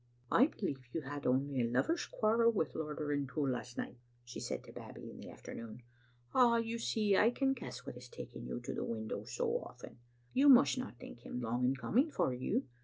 " I believe you had only a lover's quarrel with Lord Rintoul last night," she said to Babbie in the afternoon. " Ah, you see I can guess what is taking you to the window so often. You must not think him long in coming for you.